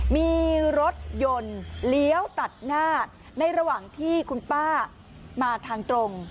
มีรถยนต์เลี้ยวตัดหน้าในระหว่างที่คุณป้ามาทางตรง